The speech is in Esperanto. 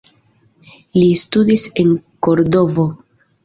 Li studis en Kordovo.